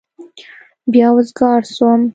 بيا وزگار سوم.